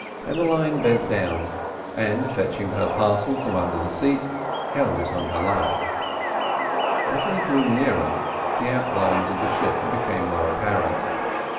Emmeline bent down, and fetching her parcel from under the seat, held it in her lap. As they drew nearer, the outlines of the ship became more apparent.